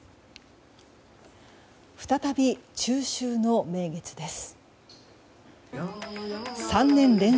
再び中秋の名月です。